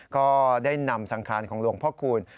ก็ได้นำสังขารของหลวงพ่อคูณ